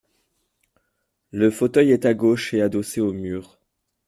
Le fauteuil est à gauche et adossé au mur.